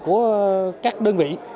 của các đơn vị